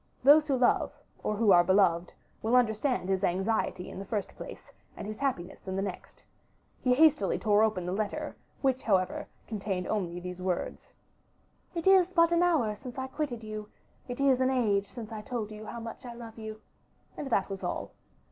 Those who love, or who are beloved, will understand his anxiety in the first place, and his happiness in the next. He hastily tore open the letter, which, however, contained only these words: "It is but an hour since I quitted you, it is an age since I told you how much I love you." And that was all.